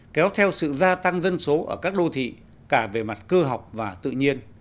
kéo theo sự gia tăng dân số ở các đô thị cả về mặt cơ học và tự nhiên